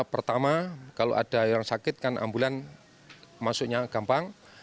pertama kalau ada yang sakit kan ambulan masuknya gampang